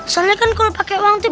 soalnya kan kalau pakai uang itu